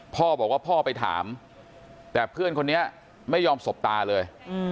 พ่อบอกว่าพ่อไปถามแต่เพื่อนคนนี้ไม่ยอมสบตาเลย